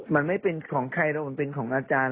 มันไม่เป็นของใครแล้วมันเป็นของอาจารย์